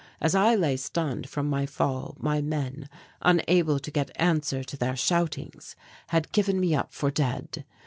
As I lay stunned from my fall, my men, unable to get answer to their shoutings, had given me up for dead.